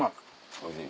おいしい？